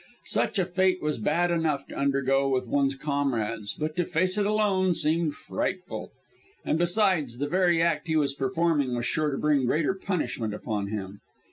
Such a fate was bad enough to undergo with one's comrades, but to face it alone seemed frightful. And besides, the very act he was performing was sure to bring greater punishment upon him.